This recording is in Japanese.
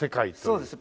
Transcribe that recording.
そうです。